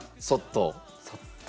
そっと。